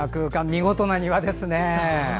見事な庭ですね！